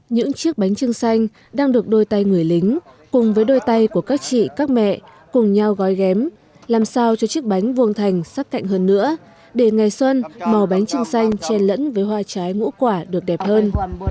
những chiếc bánh trưng xanh đang được đôi tay người lính cùng với đôi tay của các chị các mẹ cùng nhau gói ghém làm sao cho chiếc bánh vuông thành sắc cạnh hơn nữa để ngày xuân màu bánh trưng xanh chen lẫn với hoa trái ngũ quả được đẹp hơn